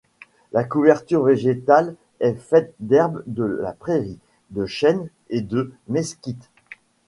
La couverture végétale est faite d'herbes de la prairie, de chênes et de mesquites.